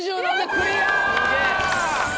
クリア！